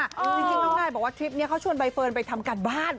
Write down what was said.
จริงน้องนายบอกว่าทริปนี้เขาชวนใบเฟิร์นไปทำการบ้าน